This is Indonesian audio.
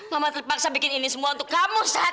mama terpaksa bikin ini semua untuk kamu sat